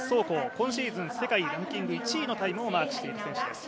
今シーズン世界ランキング１位のタイムをマークしている選手です。